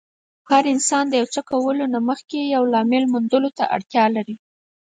هر انسان د يو څه کولو مخکې د لامل موندلو ته اړتیا لري.